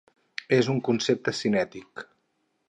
És un concepte cinètic.